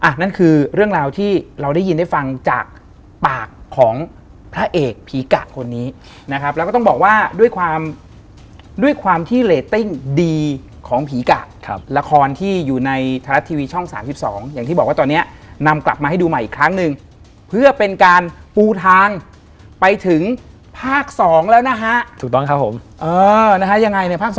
ซึ่งบอมก็ไม่รู้เหมือนกันว่า